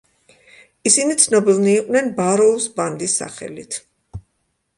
ისინი ცნობილნი იყვნენ ბაროუს ბანდის სახელით.